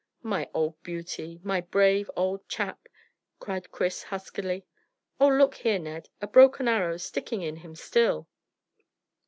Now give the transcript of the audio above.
"My old beauty! My brave old chap!" cried Chris huskily. "Oh, look here, Ned! A broken arrow sticking in him still."